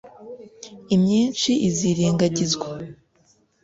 imyinshi izirengagizwa.